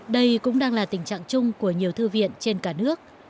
đây cũng đang là tình trạng chung của nhiều thư viện trên cả nước